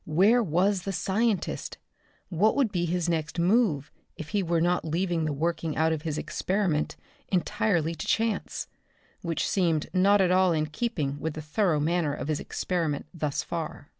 Where was the scientist? What would be his next move if he were not leaving the working out of his experiment entirely to chance, which seemed not at all in keeping with the thorough manner of his experiment thus far.